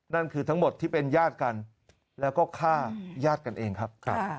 นั่นคือทั้งหมดที่เป็นญาติกันแล้วก็ฆ่าญาติกันเองครับ